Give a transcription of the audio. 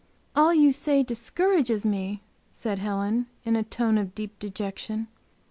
"All you say discourages me," said Helen, in a tone of deep dejection.